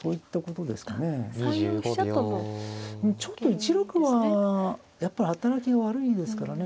ちょっと１六はやっぱり働きが悪いですからね。